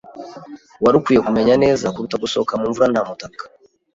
Wari ukwiye kumenya neza kuruta gusohoka mu mvura nta mutaka.